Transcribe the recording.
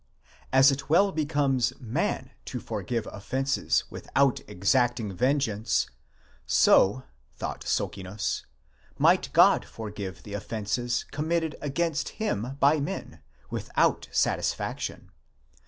As it well becomes man to forgive offences without exacting vengeance, so, thought Socinus, might God forgive the offences committed against him by men, without satisfaction.